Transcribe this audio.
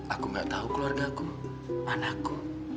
aku gak tau keluarga aku anakku